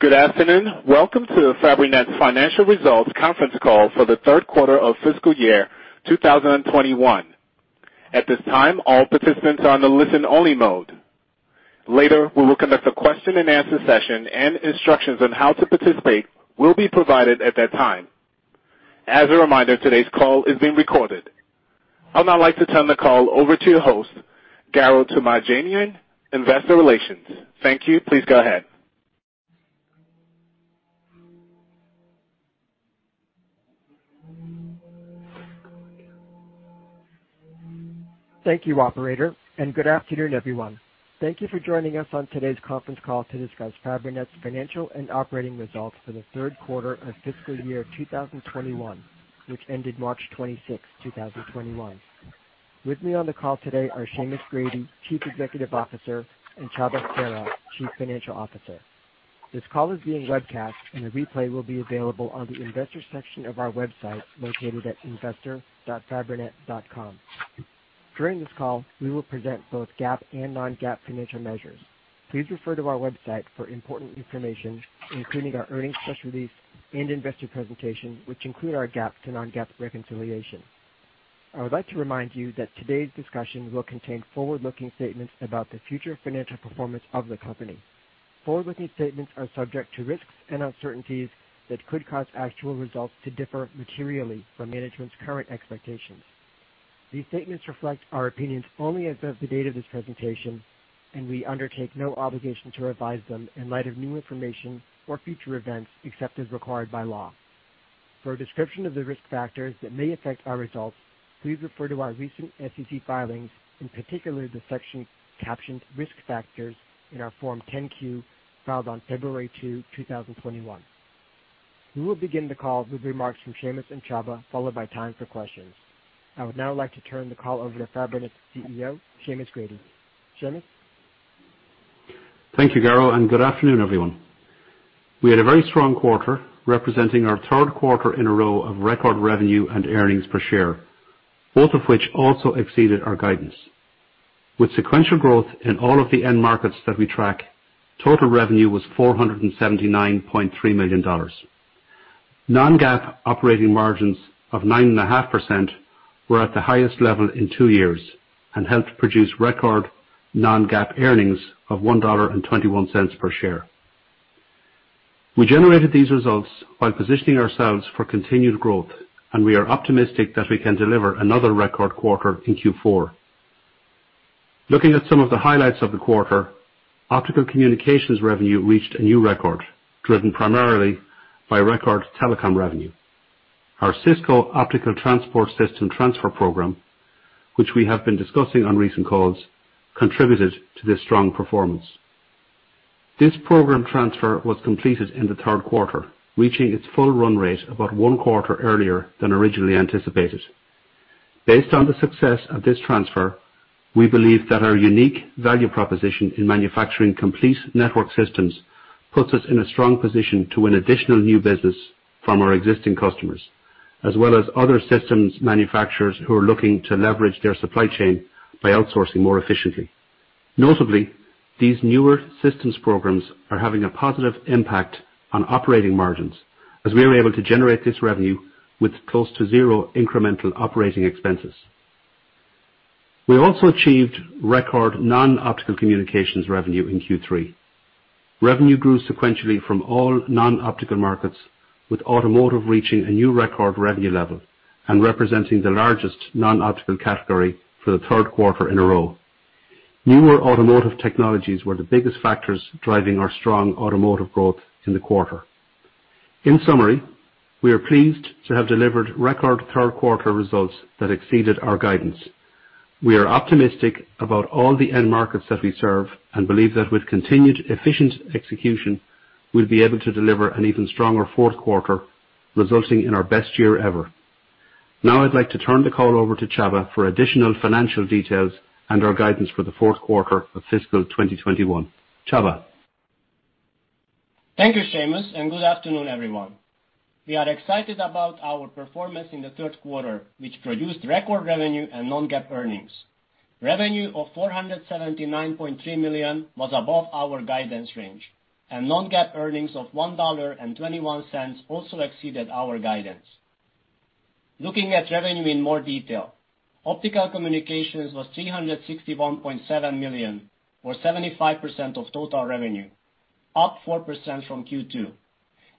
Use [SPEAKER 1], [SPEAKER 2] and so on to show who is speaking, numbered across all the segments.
[SPEAKER 1] Good afternoon. Welcome to Fabrinet's financial results conference call for the third quarter of fiscal year 2021. At this time, all participants are on the listen-only mode. Later, we will conduct a question and answer session, and instructions on how to participate will be provided at that time. As a reminder, today's call is being recorded. I'd now like to turn the call over to your host, Garo Toomajanian, investor relations. Thank you. Please go ahead.
[SPEAKER 2] Thank you, operator, and good afternoon, everyone. Thank you for joining us on today's conference call to discuss Fabrinet's financial and operating results for the third quarter of fiscal year 2021, which ended March 26, 2021. With me on the call today are Seamus Grady, Chief Executive Officer, and Csaba Sverha, Chief Financial Officer. This call is being webcast. A replay will be available on the investors section of our website located at investor.fabrinet.com. During this call, we will present both GAAP and non-GAAP financial measures. Please refer to our website for important information, including our earnings press release and investor presentation, which include our GAAP to non-GAAP reconciliation. I would like to remind you that today's discussion will contain forward-looking statements about the future financial performance of the company. Forward-looking statements are subject to risks and uncertainties that could cause actual results to differ materially from management's current expectations. These statements reflect our opinions only as of the date of this presentation, and we undertake no obligation to revise them in light of new information or future events, except as required by law. For a description of the risk factors that may affect our results, please refer to our recent SEC filings, in particular, the section captioned "Risk Factors" in our Form 10-Q filed on February 2, 2021. We will begin the call with remarks from Seamus and Csaba, followed by time for questions. I would now like to turn the call over to Fabrinet's CEO, Seamus Grady. Seamus?
[SPEAKER 3] Thank you, Garo. Good afternoon, everyone. We had a very strong quarter, representing our third quarter in a row of record revenue and earnings per share, both of which also exceeded our guidance. With sequential growth in all of the end markets that we track, total revenue was $479.3 million. Non-GAAP operating margins of 9.5% were at the highest level in two years and helped produce record non-GAAP earnings of $1.21 per share. We generated these results while positioning ourselves for continued growth. We are optimistic that we can deliver another record quarter in Q4. Looking at some of the highlights of the quarter, Optical Communications revenue reached a new record, driven primarily by record Telecom revenue. Our Cisco Optical Transport System transfer program, which we have been discussing on recent calls, contributed to this strong performance. This program transfer was completed in the third quarter, reaching its full run rate about one quarter earlier than originally anticipated. Based on the success of this transfer, we believe that our unique value proposition in manufacturing complete network systems puts us in a strong position to win additional new business from our existing customers, as well as other systems manufacturers who are looking to leverage their supply chain by outsourcing more efficiently. Notably, these newer systems programs are having a positive impact on operating margins as we are able to generate this revenue with close to zero incremental operating expenses. We also achieved record Non-Optical Communications revenue in Q3. Revenue grew sequentially from all non-optical markets, with Automotive reaching a new record revenue level and representing the largest non-optical category for the third quarter in a row. Newer automotive technologies were the biggest factors driving our strong automotive growth in the quarter. In summary, we are pleased to have delivered record third quarter results that exceeded our guidance. We are optimistic about all the end markets that we serve and believe that with continued efficient execution, we'll be able to deliver an even stronger fourth quarter, resulting in our best year ever. Now I'd like to turn the call over to Csaba for additional financial details and our guidance for the fourth quarter of fiscal 2021. Csaba.
[SPEAKER 4] Thank you, Seamus, and good afternoon, everyone. We are excited about our performance in the third quarter, which produced record revenue and non-GAAP earnings. Revenue of $479.3 million was above our guidance range, and non-GAAP earnings of $1.21 also exceeded our guidance. Looking at revenue in more detail, Optical Communications was $361.7 million, or 75% of total revenue, up 4% from Q2.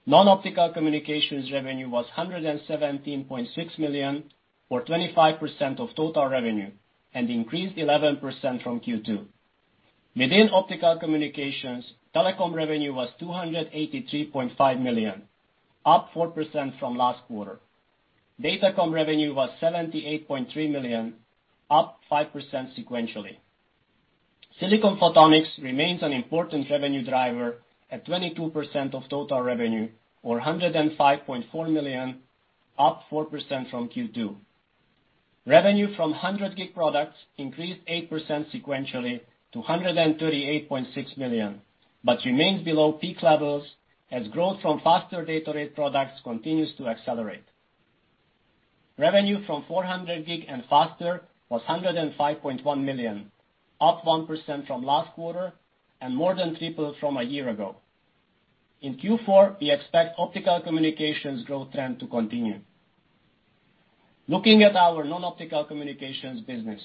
[SPEAKER 4] Non-Optical Communications revenue was $117.6 million, or 25% of total revenue, and increased 11% from Q2. Within Optical Communications, Telecom revenue was $283.5 million, up 4% from last quarter. Datacom revenue was $78.3 million, up 5% sequentially. Silicon photonics remains an important revenue driver at 22% of total revenue or $105.4 million, up 4% from Q2. Revenue from 100G products increased 8% sequentially to $138.6 million, but remains below peak levels as growth from faster data rate products continues to accelerate. Revenue from 400G and faster was $105.1 million, up 1% from last quarter and more than triple from a year ago. In Q4, we expect Optical Communications growth trend to continue. Looking at our Non-Optical Communications business,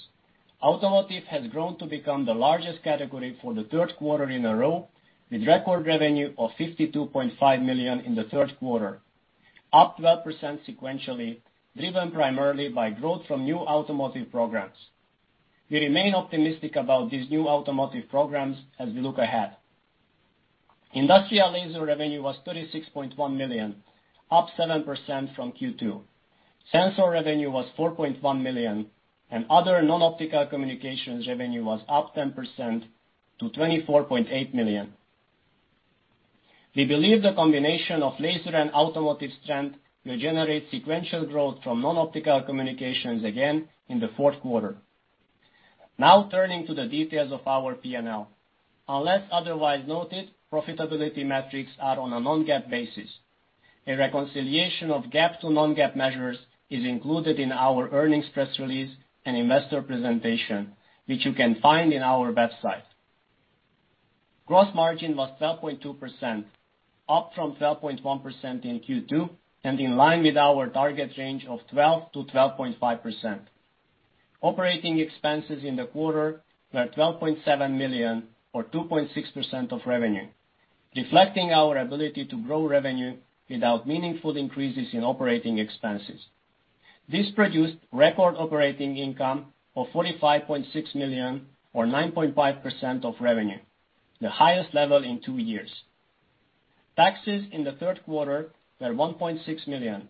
[SPEAKER 4] Automotive has grown to become the largest category for the third quarter in a row, with record revenue of $52.5 million in the third quarter, up 12% sequentially, driven primarily by growth from new Automotive programs. We remain optimistic about these new Automotive programs as we look ahead. Industrial Laser revenue was $36.1 million, up 7% from Q2. Sensor revenue was $4.1 million and other Non-Optical Communications revenue was up 10% to $24.8 million. We believe the combination of laser and Automotive strength will generate sequential growth from Non-Optical Communications again in the fourth quarter. Turning to the details of our P&L. Unless otherwise noted, profitability metrics are on a non-GAAP basis. A reconciliation of GAAP to non-GAAP measures is included in our earnings press release and investor presentation, which you can find in our website. Gross margin was 12.2%, up from 12.1% in Q2 and in line with our target range of 12%-12.5%. Operating expenses in the quarter were $12.7 million or 2.6% of revenue, reflecting our ability to grow revenue without meaningful increases in operating expenses. This produced record operating income of $45.6 million or 9.5% of revenue, the highest level in two years. Taxes in the third quarter were $1.6 million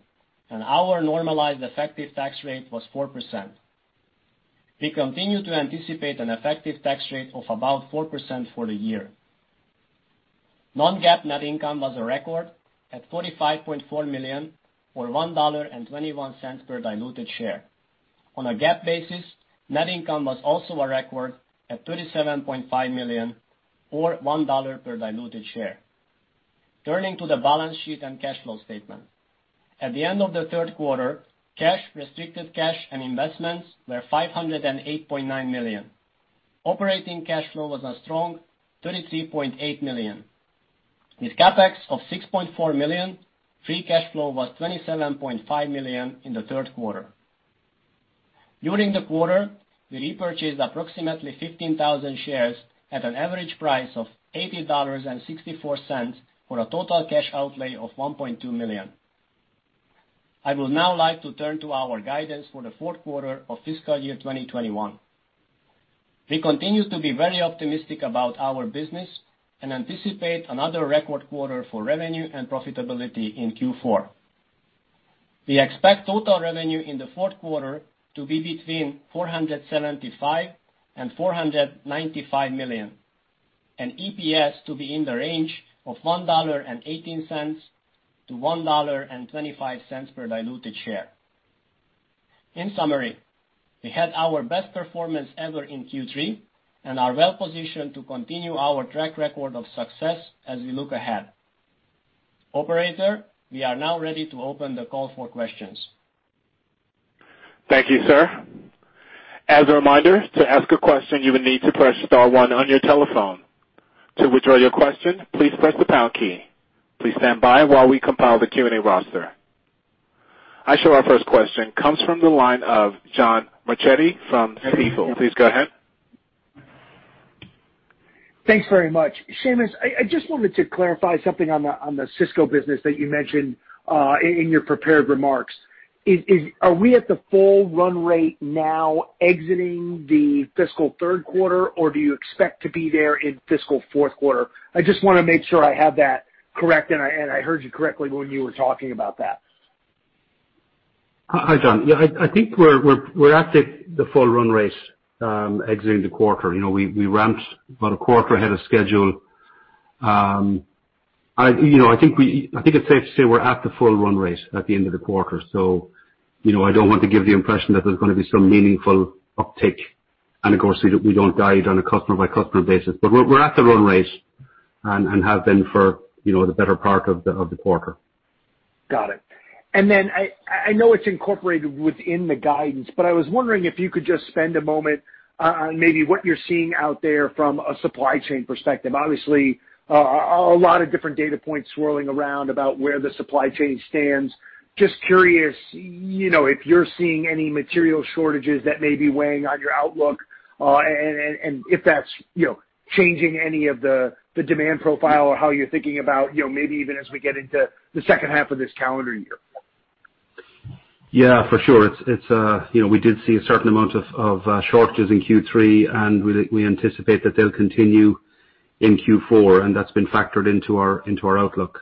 [SPEAKER 4] and our normalized effective tax rate was 4%. We continue to anticipate an effective tax rate of about 4% for the year. Non-GAAP net income was a record at $45.4 million or $1.21 per diluted share. On a GAAP basis, net income was also a record at $37.5 million or $1 per diluted share. Turning to the balance sheet and cash flow statement. At the end of the third quarter, cash, restricted cash and investments were $508.9 million. Operating cash flow was a strong $33.8 million. With CapEx of $6.4 million, free cash flow was $27.5 million in the third quarter. During the quarter, we repurchased approximately 15,000 shares at an average price of $80.64, for a total cash outlay of $1.2 million. I would now like to turn to our guidance for the fourth quarter of fiscal year 2021. We continue to be very optimistic about our business and anticipate another record quarter for revenue and profitability in Q4. We expect total revenue in the fourth quarter to be between $475 million and $495 million, and EPS to be in the range of $1.18-$1.25 per diluted share. In summary, we had our best performance ever in Q3 and are well-positioned to continue our track record of success as we look ahead. Operator, we are now ready to open the call for questions.
[SPEAKER 1] Thank you, sir. As a reminder, to ask a question, you will need to press star one on your telephone. To withdraw your question, please press the pound key. Please stand by while we compile the Q&A roster. I show our first question comes from the line of John Marchetti from Stifel. Please go ahead.
[SPEAKER 5] Thanks very much. Seamus, I just wanted to clarify something on the Cisco business that you mentioned in your prepared remarks. Are we at the full run rate now exiting the fiscal third quarter, or do you expect to be there in fiscal fourth quarter? I just want to make sure I have that correct and I heard you correctly when you were talking about that.
[SPEAKER 3] Hi, John. Yeah, I think we're at the full run rate exiting the quarter. We ramped about a quarter ahead of schedule. I think it's safe to say we're at the full run rate at the end of the quarter. I don't want to give the impression that there's going to be some meaningful uptick. Of course, we don't guide on a customer-by-customer basis, but we're at the run rate and have been for the better part of the quarter.
[SPEAKER 5] Got it. I know it's incorporated within the guidance, but I was wondering if you could just spend a moment on maybe what you're seeing out there from a supply chain perspective. Obviously, a lot of different data points swirling around about where the supply chain stands. Just curious, if you're seeing any material shortages that may be weighing on your outlook, and if that's changing any of the demand profile or how you're thinking about maybe even as we get into the second half of this calendar year.
[SPEAKER 3] Yeah, for sure. We did see a certain amount of shortages in Q3, and we anticipate that they'll continue in Q4, and that's been factored into our outlook.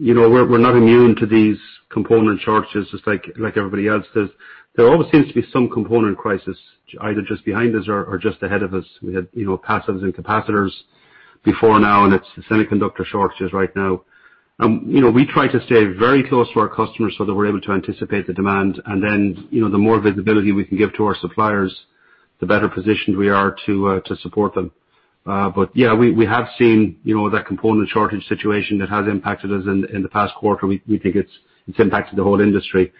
[SPEAKER 3] We're not immune to these component shortages just like everybody else is. There always seems to be some component crisis, either just behind us or just ahead of us. We had passives and capacitors before now, and it's the semiconductor shortages right now. We try to stay very close to our customers so that we're able to anticipate the demand. The more visibility we can give to our suppliers The better positioned we are to support them. Yeah, we have seen that component shortage situation that has impacted us in the past quarter. We think it's impacted the whole industry.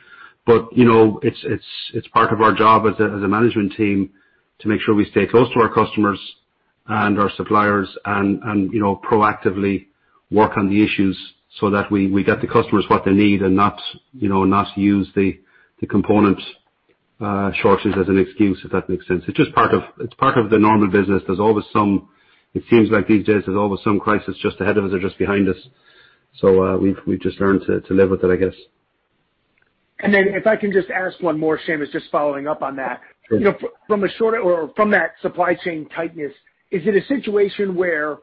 [SPEAKER 3] It's part of our job as a management team to make sure we stay close to our customers and our suppliers and proactively work on the issues so that we get the customers what they need and not use the component shortages as an excuse, if that makes sense. It's part of the normal business. It seems like these days, there's always some crisis just ahead of us or just behind us. We've just learned to live with it, I guess.
[SPEAKER 5] If I can just ask one more, Seamus, just following up on that.
[SPEAKER 3] Sure.
[SPEAKER 5] From that supply chain tightness, is it a situation where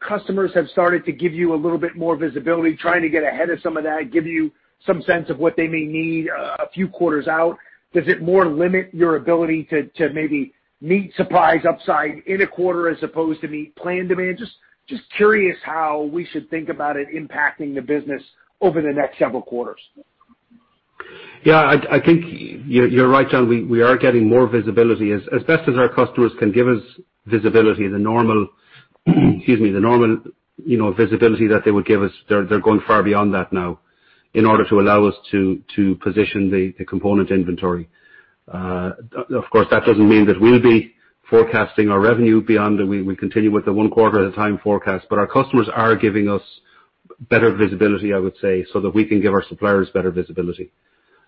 [SPEAKER 5] customers have started to give you a little bit more visibility, trying to get ahead of some of that, give you some sense of what they may need a few quarters out? Does it more limit your ability to maybe meet surprise upside in a quarter as opposed to meet planned demand? Just curious how we should think about it impacting the business over the next several quarters.
[SPEAKER 3] Yeah, I think you're right, John. We are getting more visibility. As best as our customers can give us visibility, the normal visibility that they would give us, they're going far beyond that now in order to allow us to position the component inventory. Of course, that doesn't mean that we'll be forecasting our revenue beyond and we continue with the one quarter at a time forecast. Our customers are giving us better visibility, I would say, so that we can give our suppliers better visibility.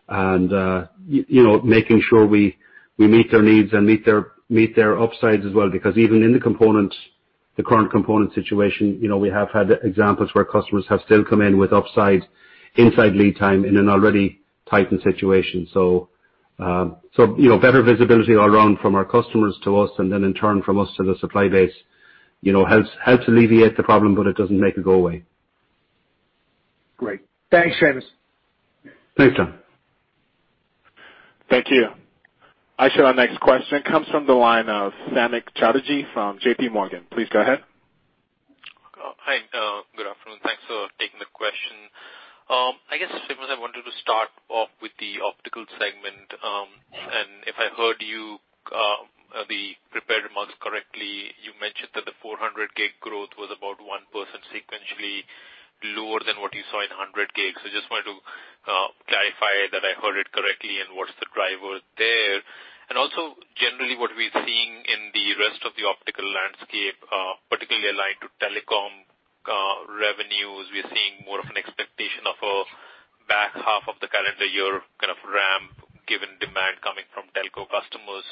[SPEAKER 3] Making sure we meet their needs and meet their upsides as well. Because even in the current component situation, we have had examples where customers have still come in with upside inside lead time in an already tightened situation. Better visibility all around from our customers to us, and then in turn from us to the supply base, helps alleviate the problem, but it doesn't make it go away.
[SPEAKER 5] Great. Thanks, Seamus.
[SPEAKER 3] Thanks, John.
[SPEAKER 1] Thank you. I show our next question comes from the line of Samik Chatterjee from JPMorgan. Please go ahead.
[SPEAKER 6] Hi. Good afternoon. Thanks for taking the question. I guess, Seamus, I wanted to start off with the Optical segment. If I heard you, the prepared remarks correctly, you mentioned that the 400G growth was about 1% sequentially lower than what you saw in 100G. I just wanted to clarify that I heard it correctly, and what's the driver there? Also, generally what we're seeing in the rest of the Optical landscape, particularly aligned to Telecom revenues, we are seeing more of an expectation of a back half of the calendar year kind of ramp, given demand coming from Telecom customers.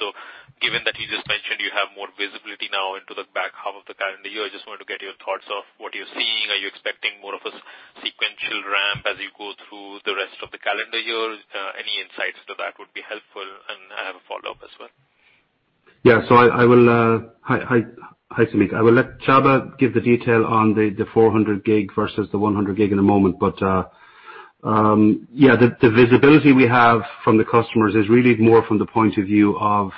[SPEAKER 6] Given that you just mentioned you have more visibility now into the back half of the calendar year, I just wanted to get your thoughts of what you're seeing. Are you expecting more of a sequential ramp as you go through the rest of the calendar year? Any insights to that would be helpful. I have a follow-up as well.
[SPEAKER 3] Hi, Samik. I will let Csaba give the detail on the 400G versus the 100G in a moment. The visibility we have from the customers is really more from the point of view of,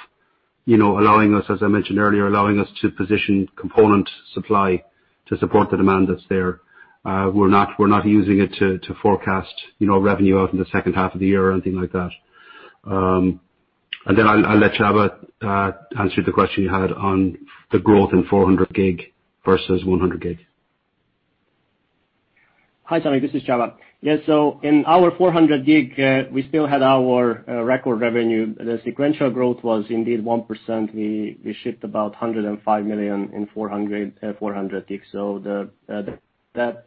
[SPEAKER 3] as I mentioned earlier, allowing us to position component supply to support the demand that's there. We're not using it to forecast revenue out in the second half of the year or anything like that. I'll let Csaba answer the question you had on the growth in 400G versus 100G.
[SPEAKER 4] Hi, Samik, this is Csaba. Yeah, so in our 400G, we still had our record revenue. The sequential growth was indeed 1%. We shipped about $105 million in 400G. That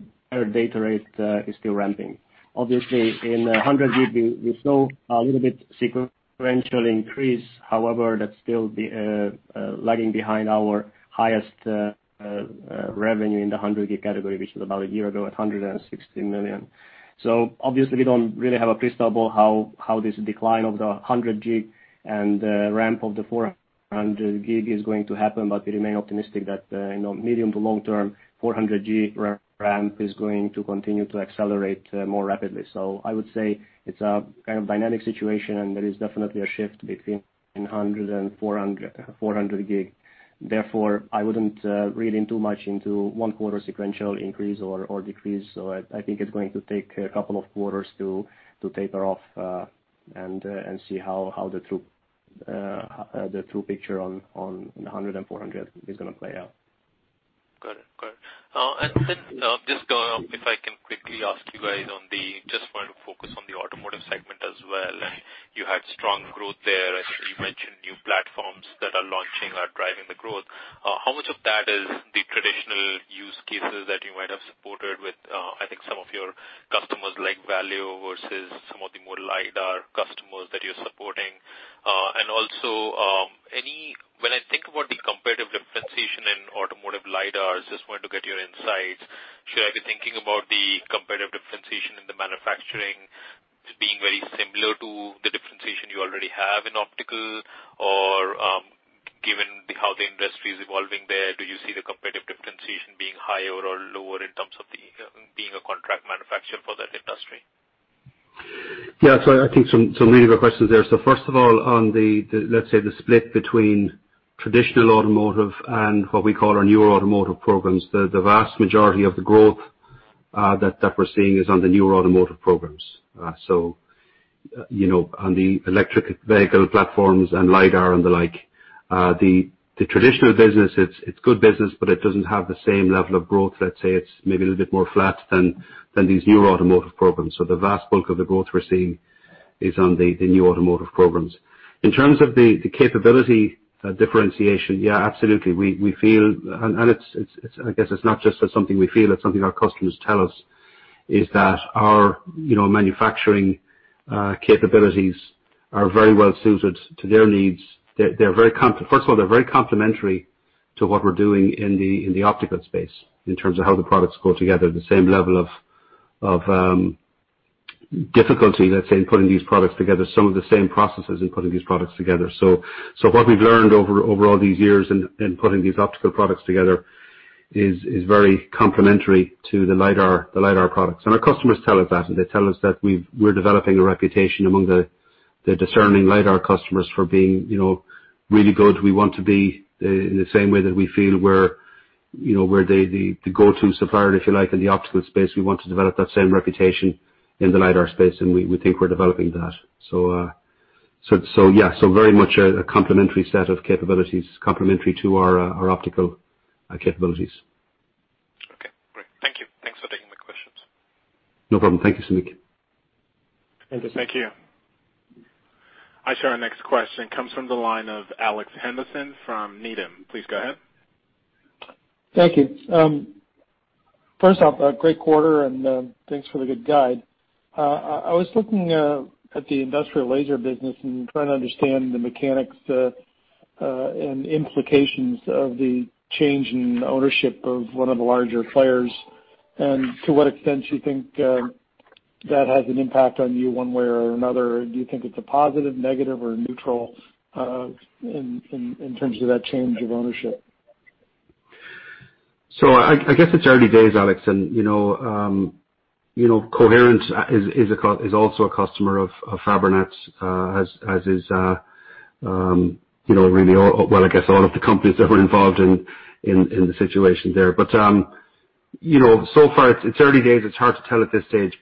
[SPEAKER 4] data rate is still ramping. Obviously, in 100G, we saw a little bit sequential increase. However, that's still lagging behind our highest revenue in the 100G category, which was about a year ago at $160 million. Obviously we don't really have a crystal ball how this decline of the 100G and ramp of the 400G is going to happen, but we remain optimistic that medium to long term 400G ramp is going to continue to accelerate more rapidly. I would say it's a kind of dynamic situation, and there is definitely a shift between 100G and 400G. I wouldn't read in too much into one quarter sequential increase or decrease. I think it's going to take a couple of quarters to taper off and see how the true picture on 100G and 400G is going to play out.
[SPEAKER 6] Got it. Just if I can quickly ask you guys, I just want to focus on the Automotive segment as well, and you had strong growth there. I see you mentioned new platforms that are launching are driving the growth. How much of that is the traditional use cases that you might have supported with, I think, some of your customers like Valeo versus some of the more LiDAR customers that you're supporting? Also, when I think about the competitive differentiation in Automotive LiDARs, just wanted to get your insights. Should I be thinking about the competitive differentiation in the manufacturing as being very similar to the differentiation you already have in optical? Given how the industry's evolving there, do you see the competitive differentiation being higher or lower in terms of being a contract manufacturer for that industry?
[SPEAKER 3] I think some really good questions there. First of all, on the, let's say, the split between traditional Automotive and what we call our newer Automotive programs, the vast majority of the growth that we're seeing is on the newer Automotive programs. On the electric vehicle platforms and LiDAR and the like. The traditional business, it's good business, but it doesn't have the same level of growth. Let's say it's maybe a little bit more flat than these new Automotive programs. The vast bulk of the growth we're seeing is on the new Automotive programs. In terms of the capability differentiation, yeah, absolutely. We feel, and I guess it's not just something we feel, it's something our customers tell us, is that our manufacturing capabilities are very well-suited to their needs. First of all, they're very complementary to what we're doing in the optical space in terms of how the products go together, the same level of difficulty, let's say, in putting these products together, some of the same processes in putting these products together. What we've learned over all these years in putting these optical products together is very complementary to the LiDAR products. Our customers tell us that, and they tell us that we're developing a reputation among the discerning LiDAR customers for being really good. We want to be, in the same way that we feel we're the go-to supplier, if you like, in the optical space. We want to develop that same reputation in the LiDAR space, and we think we're developing that. Yeah, so very much a complementary set of capabilities, complementary to our optical capabilities.
[SPEAKER 6] Okay, great. Thank you. Thanks for taking the questions.
[SPEAKER 3] No problem. Thank you, Samik.
[SPEAKER 6] Thank you.
[SPEAKER 1] Thank you. I show our next question comes from the line of Alex Henderson from Needham. Please go ahead.
[SPEAKER 7] Thank you. First off, great quarter and thanks for the good guide. I was looking at the Industrial Laser business and trying to understand the mechanics and implications of the change in ownership of one of the larger players and to what extent you think that has an impact on you one way or another. Do you think it's a positive, negative, or neutral in terms of that change of ownership?
[SPEAKER 3] I guess it's early days, Alex. Coherent is also a customer of Fabrinet as is really all, well, I guess a lot of the companies that were involved in the situation there. So far it's early days. It's hard to tell at this stage.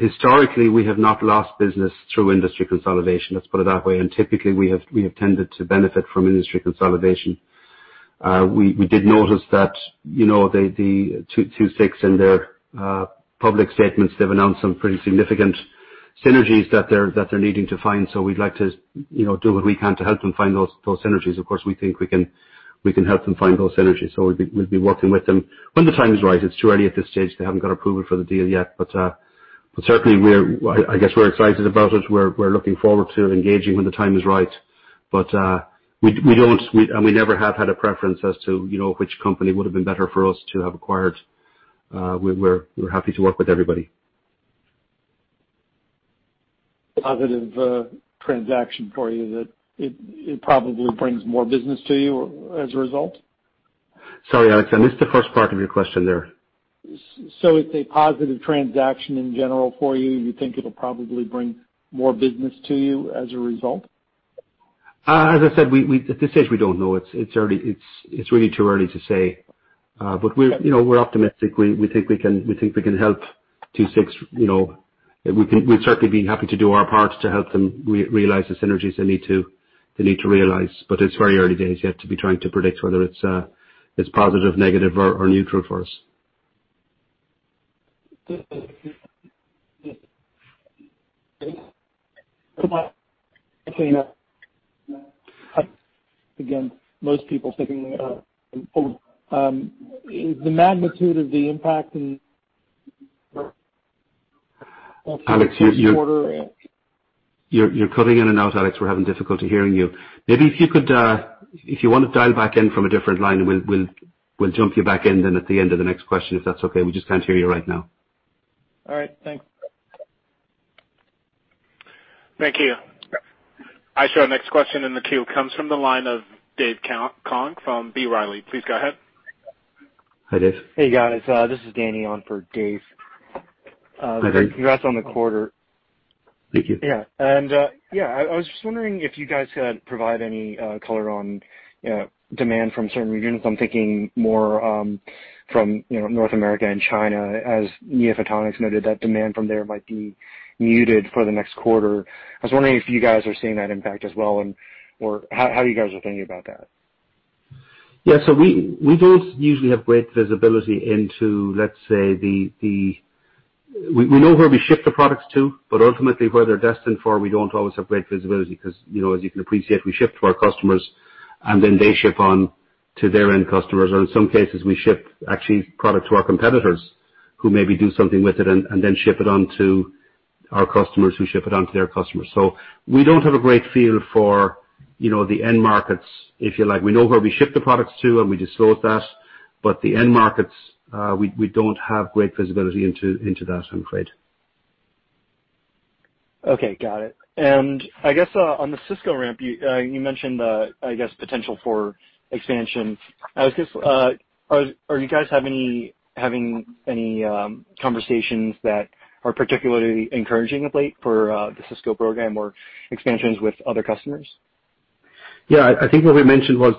[SPEAKER 3] Historically, we have not lost business through industry consolidation, let's put it that way. Typically, we have tended to benefit from industry consolidation. We did notice that the II-VI in their public statements, they've announced some pretty significant synergies that they're needing to find. We'd like to do what we can to help them find those synergies. Of course, we think we can help them find those synergies. We'll be working with them when the time is right. It's too early at this stage. They haven't got approval for the deal yet. Certainly, I guess we're excited about it. We're looking forward to engaging when the time is right. We don't, and we never have had a preference as to which company would have been better for us to have acquired. We're happy to work with everybody.
[SPEAKER 7] Positive transaction for you that it probably brings more business to you as a result?
[SPEAKER 3] Sorry, Alex, I missed the first part of your question there.
[SPEAKER 7] It's a positive transaction in general for you? You think it'll probably bring more business to you as a result?
[SPEAKER 3] As I said, at this stage, we don't know. It's really too early to say. We're optimistic. We think we can help II-VI. We'd certainly be happy to do our part to help them realize the synergies they need to realize. It's very early days yet to be trying to predict whether it's positive, negative, or neutral for us.
[SPEAKER 7] Again, most people thinking.
[SPEAKER 3] Alex, you're cutting in and out, Alex. We're having difficulty hearing you. Maybe if you want to dial back in from a different line, and we'll jump you back in then at the end of the next question, if that's okay. We just can't hear you right now.
[SPEAKER 7] All right. Thanks.
[SPEAKER 1] Thank you. I show our next question in the queue comes from the line of Dave Kang from B. Riley. Please go ahead.
[SPEAKER 3] Hi, Dave.
[SPEAKER 8] Hey, guys. This is Danny on for Dave.
[SPEAKER 3] Hi, Danny.
[SPEAKER 8] Congrats on the quarter.
[SPEAKER 3] Thank you.
[SPEAKER 8] Yeah. Yeah, I was just wondering if you guys could provide any color on demand from certain regions. I'm thinking more from North America and China, as NeoPhotonics noted that demand from there might be muted for the next quarter. I was wondering if you guys are seeing that impact as well or how you guys are thinking about that.
[SPEAKER 3] Yeah. We don't usually have great visibility into, let's say, We know where we ship the products to, but ultimately, where they're destined for, we don't always have great visibility because, as you can appreciate, we ship to our customers, and then they ship on to their end customers. In some cases, we ship actually product to our competitors who maybe do something with it and then ship it on to our customers, who ship it on to their customers. We don't have a great feel for the end markets, if you like. We know where we ship the products to, and we disclose that, but the end markets, we don't have great visibility into that, I'm afraid.
[SPEAKER 8] Okay, got it. On the Cisco ramp, you mentioned the potential for expansion. Are you guys having any conversations that are particularly encouraging of late for the Cisco program or expansions with other customers?
[SPEAKER 3] Yeah, I think what we mentioned was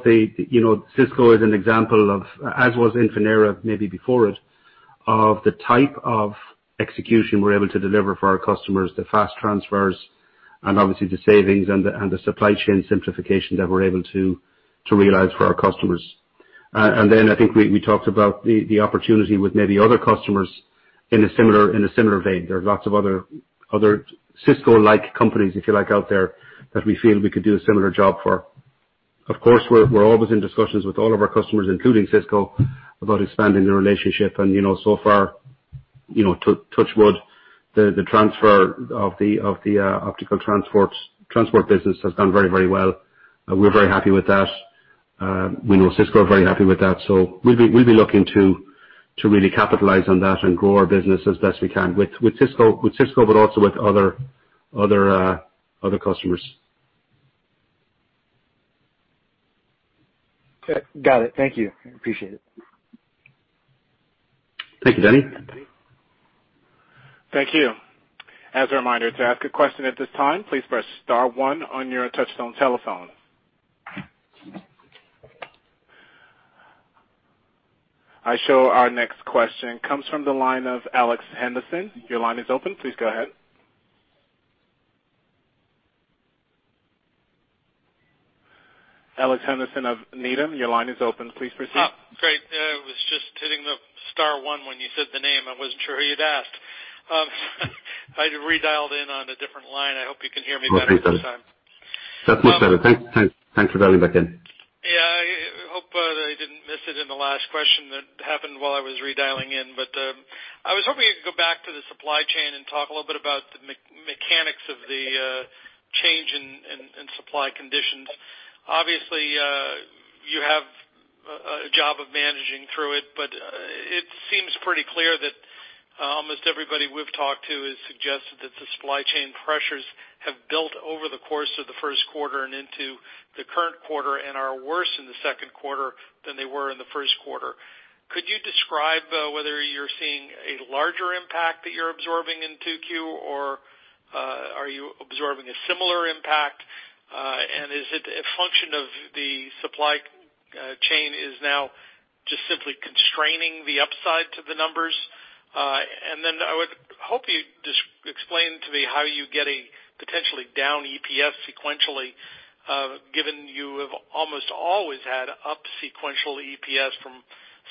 [SPEAKER 3] Cisco as an example, as was Infinera maybe before it, of the type of execution we're able to deliver for our customers, the fast transfers, and obviously the savings and the supply chain simplification that we're able to realize for our customers. Then I think we talked about the opportunity with maybe other customers in a similar vein. There are lots of other Cisco-like companies, if you like, out there that we feel we could do a similar job for. Of course, we're always in discussions with all of our customers, including Cisco, about expanding the relationship. So far, touch wood, the transfer of the optical transport business has done very well. We're very happy with that. We know Cisco are very happy with that. We'll be looking to really capitalize on that and grow our business as best we can with Cisco, but also with other customers.
[SPEAKER 8] Got it. Thank you. Appreciate it.
[SPEAKER 3] Thank you, Danny.
[SPEAKER 1] Thank you. As a reminder, to ask a question at this time, please press star one on your touchtone telephone. I show our next question comes from the line of Alex Henderson. Your line is open. Please go ahead. Alex Henderson of Needham, your line is open. Please proceed.
[SPEAKER 7] Oh, great. I was just hitting the star one when you said the name. I wasn't sure who you'd asked. I had redialed in on a different line. I hope you can hear me better this time.
[SPEAKER 3] That's much better. Thanks for dialing back in.
[SPEAKER 7] Yeah, I hope I didn't miss it in the last question that happened while I was redialing in. I was hoping I could go back to the supply chain and talk a little bit about the mechanics of the change in supply conditions. Obviously, you have a job of managing through it, but it seems pretty clear that almost everybody we've talked to has suggested that the supply chain pressures have built over the course of the first quarter and into the current quarter and are worse in the second quarter than they were in the first quarter. Could you describe whether you're seeing a larger impact that you're absorbing in 2Q, or are you absorbing a similar impact? Is it a function of the supply chain is now just simply constraining the upside to the numbers? I would hope you'd explain to me how you get a potentially down EPS sequentially, given you have almost always had up sequential EPS from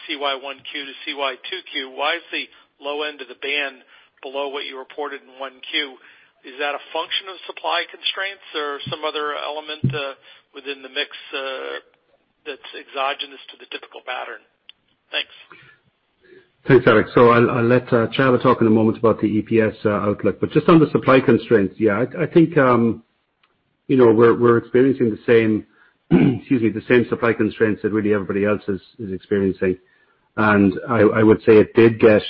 [SPEAKER 7] CY1Q to CY2Q. Why is the low end of the band below what you reported in 1Q? Is that a function of supply constraints or some other element within the mix that's exogenous to the typical pattern? Thanks.
[SPEAKER 3] Thanks, Alex. I'll let Csaba talk in a moment about the EPS outlook, just on the supply constraints, yeah, I think we're experiencing the same supply constraints that really everybody else is experiencing. I would say it did get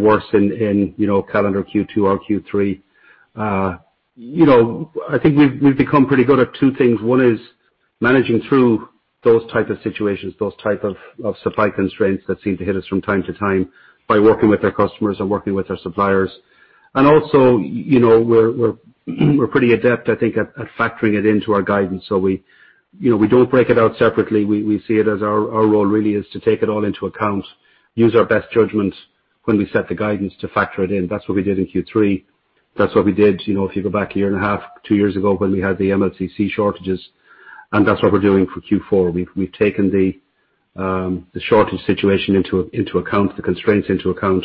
[SPEAKER 3] worse in calendar Q2 or Q3. I think we've become pretty good at two things. One is managing through those type of situations, those type of supply constraints that seem to hit us from time to time by working with our customers and working with our suppliers. Also, we're pretty adept, I think, at factoring it into our guidance. We don't break it out separately. We see it as our role really is to take it all into account, use our best judgment when we set the guidance to factor it in. That's what we did in Q3. That's what we did if you go back a year and a half, two years ago when we had the MLCC shortages, and that's what we're doing for Q4. We've taken the shortage situation into account, the constraints into account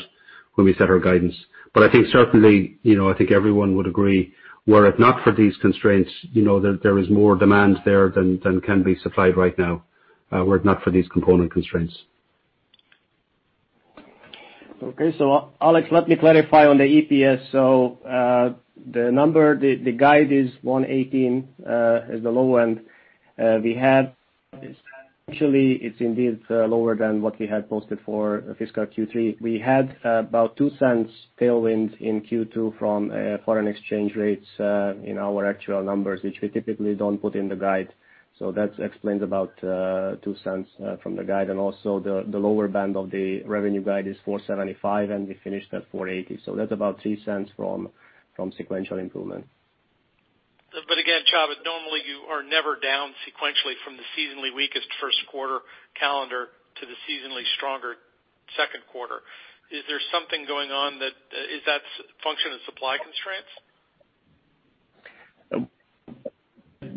[SPEAKER 3] when we set our guidance. I think certainly, I think everyone would agree, were it not for these constraints, there is more demand there than can be supplied right now, were it not for these component constraints.
[SPEAKER 4] Alex, let me clarify on the EPS. The number, the guide is $1.18, is the low end. We have actually it's indeed lower than what we had posted for fiscal Q3. We had about $0.02 tailwind in Q2 from foreign exchange rates in our actual numbers, which we typically don't put in the guide. That explains about $0.02 from the guide, and also the lower band of the revenue guide is $475 million, and we finished at $480 million. That's about $0.03 from sequential improvement.
[SPEAKER 7] Again, Csaba, normally you are never down sequentially from the seasonally weakest first quarter calendar to the seasonally stronger second quarter. Is there something going on? Is that function of supply constraints?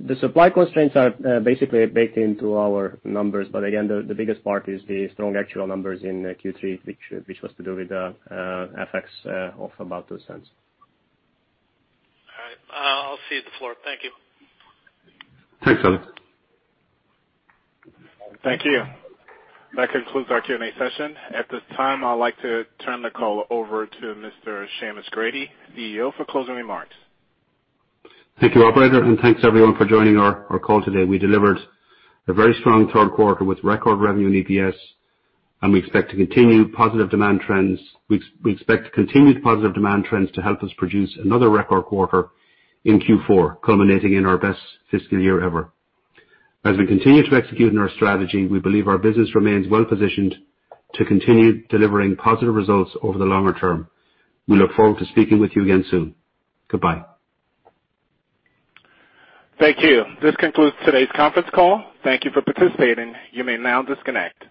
[SPEAKER 4] The supply constraints are basically baked into our numbers. Again, the biggest part is the strong actual numbers in Q3, which was to do with the FX of about $0.02.
[SPEAKER 7] All right. I'll cede the floor. Thank you.
[SPEAKER 3] Thanks, Alex.
[SPEAKER 1] Thank you. That concludes our Q&A session. At this time, I'd like to turn the call over to Mr. Seamus Grady, CEO, for closing remarks.
[SPEAKER 3] Thank you, operator, and thanks everyone for joining our call today. We delivered a very strong third quarter with record revenue and EPS, and we expect to continue positive demand trends to help us produce another record quarter in Q4, culminating in our best fiscal year ever. As we continue to execute on our strategy, we believe our business remains well-positioned to continue delivering positive results over the longer term. We look forward to speaking with you again soon. Goodbye.
[SPEAKER 1] Thank you. This concludes today's conference call. Thank you for participating. You may now disconnect.